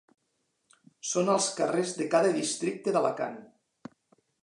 Són als carrers de cada districte d’Alacant.